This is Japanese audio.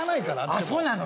あっそうなの？